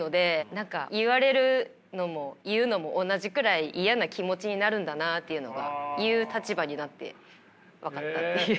何か言われるのも言うのも同じくらい嫌な気持ちになるんだなあっていうのが言う立場になって分かったっていう。